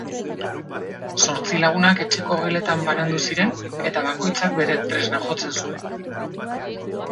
Zortzi lagunak etxeko geletan banandu ziren, eta bakoitzak bere tresna jotzen zuen.